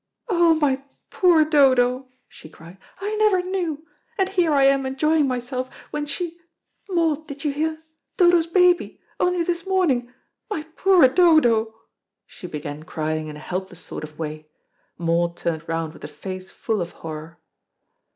"Oh, my poor Dodo," she cried, "I never knew! And here I am enjoying myself, when she Maud, did you hear? Dodo's baby only this morning. My poor Dodo!" She began crying in a helpless sort of way. Maud turned round with a face full of horror.